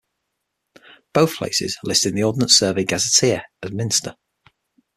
Both places are listed in the Ordnance Survey gazetteer as Minster.